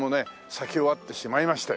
咲き終わってしまいまして。